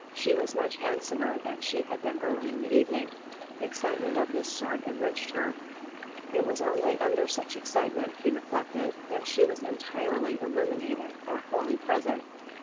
She was much handsomer than she had been early in the evening. Excitement of this sort enriched her. It was only under such excitement, he reflected, that she was entirely illuminated, or wholly present.